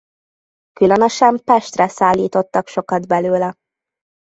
Különösen Pestre szállítottak sokat belőle.